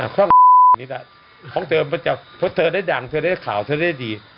อ่ะคล่องแบบนี้แหละของเธอมันจะเพราะเธอได้ดังเธอได้ข่าวเธอได้ดี